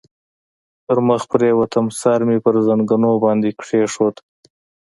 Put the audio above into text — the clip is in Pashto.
پر مخ پرېوتم، سر مې پر زنګنو باندې کېښود.